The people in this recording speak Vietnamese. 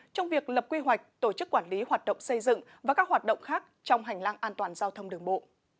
trong việc lập quy hoạch tổ chức quản lý hoạt động xây dựng và các hoạt động khác trong hành lang an toàn giao thông đường bộ